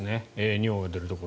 尿が出るところ。